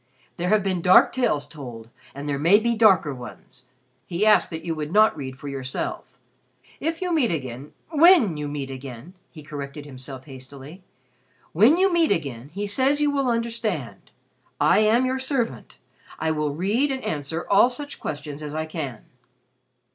There have been dark tales told and there may be darker ones. He asked that you would not read for yourself. If you meet again when you meet again" he corrected himself hastily "when you meet again, he says you will understand. I am your servant. I will read and answer all such questions as I can."